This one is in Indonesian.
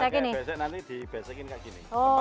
pak pakai besek nanti dibesekin kayak gini